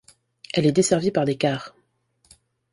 Elle est desservie par des cars.